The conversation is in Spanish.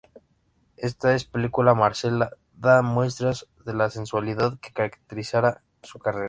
En esta película, Marcela da muestras de la sensualidad que caracterizará su carrera.